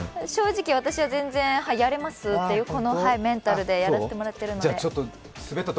正直、私は全然やれます、このメンタルでやらせてもらってますので。